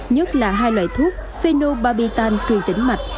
nhất là hai loại thuốc phenobarbital truyền tĩnh mạch